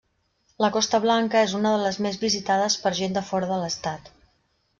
La Costa Blanca és una de les més visitades per gent de fora de l'estat.